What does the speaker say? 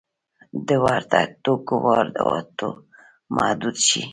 د ورته توکو واردات محدود شوي؟